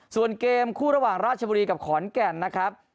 ส่วนเกมคู่ระหว่างราชบุรีกับขอนแก่นนะครับ